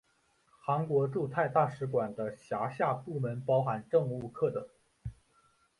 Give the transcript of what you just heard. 韩国驻泰大使馆的辖下部门包含政务课等。